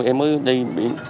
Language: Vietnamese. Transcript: em mới đi biển